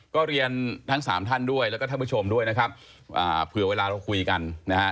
ก็เรียนทั้งสามท่านด้วยแล้วก็ท่านผู้ชมด้วยนะครับอ่าเผื่อเวลาเราคุยกันนะฮะ